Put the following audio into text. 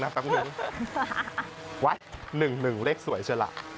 ถูกข้างบนหนึ่งหนึ่งสวยชล่ะ